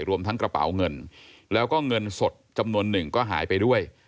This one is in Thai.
รวมทั้งกระเป๋าเงินแล้วก็เงินสดจำนวนหนึ่งก็หายไปด้วย